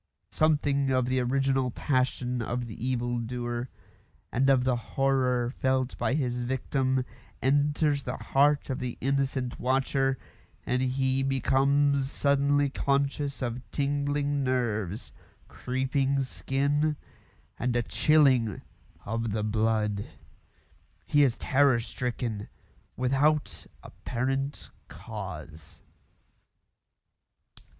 Something of the original passion of the evil doer, and of the horror felt by his victim, enters the heart of the innocent watcher, and he becomes suddenly conscious of tingling nerves, creeping skin, and a chilling of the blood. He is terror stricken without apparent cause.